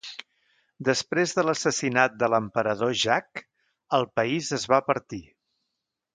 Després de l'assassinat de l'Emperador Jacques, el país es va partir.